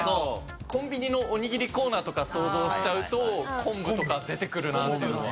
コンビニのおにぎりコーナーとか想像しちゃうと昆布とか出てくるなっていうのは。